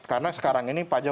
karena sekarang ini pajok